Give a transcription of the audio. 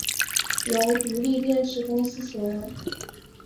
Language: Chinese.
由独立电视公司所有。